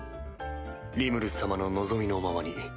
リムル様の望みのままに。